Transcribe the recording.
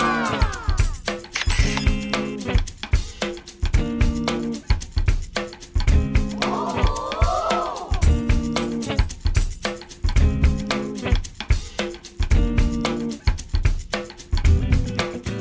เต้น